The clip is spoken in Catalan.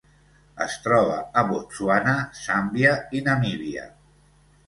Es troba a Botswana, Zàmbia i Namíbia.